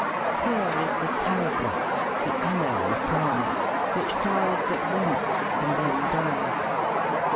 Here is the tali pot, the aloe of palms, which flowers but once and then dies.